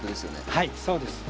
はいそうです。